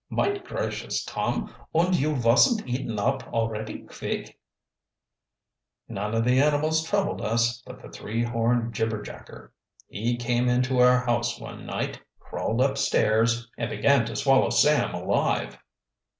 "Mine gracious, Tom! Und you vosn't eaten up alretty kvick!" "None of the animals troubled us, but the three horned jibberjacker. He came into our house one night, crawled upstairs, and began to swallow Sam alive."